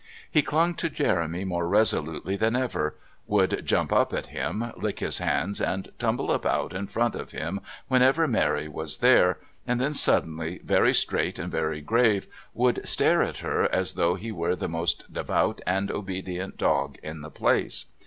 He clung to Jeremy more resolutely than ever, would jump up at him, lick his hands and tumble about in front of him whenever Mary was there, and then suddenly, very straight and very grave, would stare at her as though he were the most devout and obedient dog in the place.